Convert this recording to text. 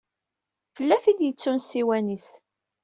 Tella tin i yettun ssiwan-is.